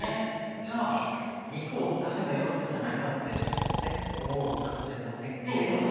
じゃあ肉を出せばよかったじゃないかってねっ思うかもしれませんけれども。